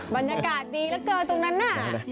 บรรยากาศดีเราก็ตรงนั้นน่ะ